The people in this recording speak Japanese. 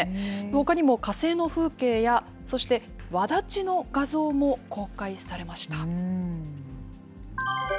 ほかにも火星の風景や、そしてわだちの画像も公開されました。